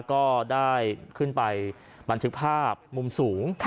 ก็ได้ขึ้นไปบันทึกภาพมุมสูง